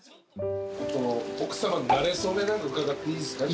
奥さまのなれ初めなんか伺っていいですか？